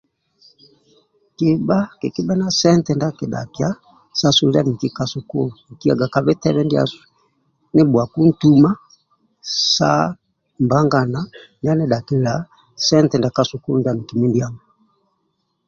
Kiba kikibe na sente ndia akidhakiya sasulilya miki ka sukulu nkiyaga ka bhitebhw ndiasu nibuwaku ntuma sa mbangana niya nidhakililya sente ndia kasukulu ndia miki mindiamo